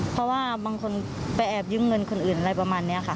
เพราะว่าบางคนไปแอบยืมเงินคนอื่นอะไรประมาณนี้ค่ะ